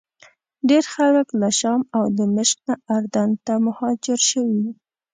ډېر خلک له شام او دمشق نه اردن ته مهاجر شوي.